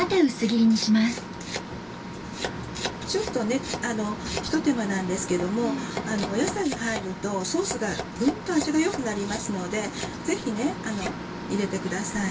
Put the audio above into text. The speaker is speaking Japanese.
ちょっとひと手間なんですけども野菜が入るとソースがグンと味が良くなりますのでぜひ入れてください。